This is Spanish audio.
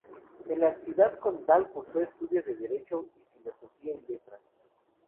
En la Ciudad Condal cursó estudios de Derecho y Filosofía y Letras.